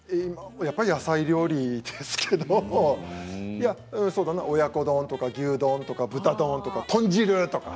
やっぱり野菜料理ですけどそうだな、親子丼とか牛丼とか豚丼とか豚汁とか。